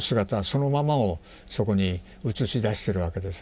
そのままをそこに映し出してるわけですね。